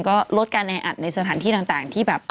ก็ลดการแออัดในสถานที่ต่างที่แบบ